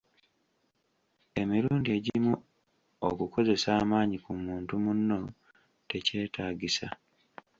Emirundi egimu okukozesa amaanyi ku muntu munno tekyetaagisa.